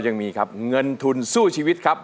เงินทุนสู้ชีวิตครับ